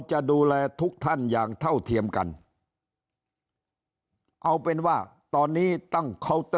จะดูแลทุกท่านอย่างเท่าเทียมกันเอาเป็นว่าตอนนี้ตั้งเคาน์เตอร์